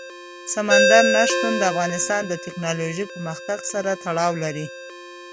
سمندر نه شتون د افغانستان د تکنالوژۍ پرمختګ سره تړاو لري.